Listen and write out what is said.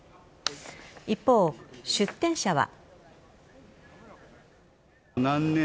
一方、出展者は。